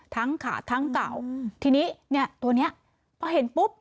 ทั้งขาดทั้งเก่าทีนี้ตัวนี้เพราะเห็นปุ๊บ